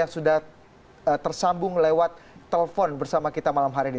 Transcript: yang sudah tersambung lewat telepon bersama kita malam hari ini